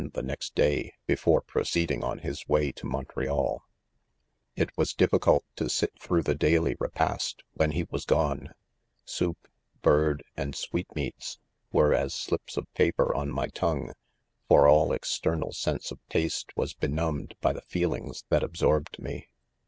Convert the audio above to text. . the next day before proceeding on his way t& Montreal. THE CONFESSIONS, 115 8 It was difficult to sit through the daily re past when he was gone ;— soup, bird, and sweetmeats, were as slips of paper on my tongue, for all external sense of taste was he numbed by the feelings that absorbed me.